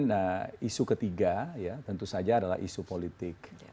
dan isu ketiga ya tentu saja adalah isu politik